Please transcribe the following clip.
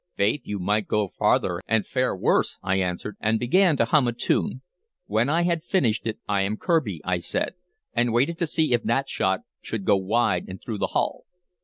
"Faith, you might go farther and fare worse," I answered, and began to hum a tune. When I had finished it, "I am Kirby," I said, and waited to see if that shot should go wide or through the hull.